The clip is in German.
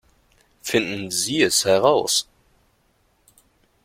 Finden Sie es heraus!